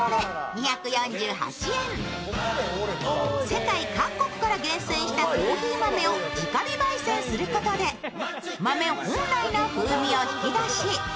世界各国から厳選したコーヒー豆を直火ばい煎することで、豆本来の風味を引き出し